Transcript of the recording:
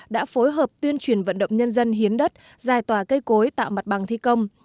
đã phối hợp tuyên truyền vận động nhân dân hiến đất giải tỏa cây cối tạo mặt bằng thi công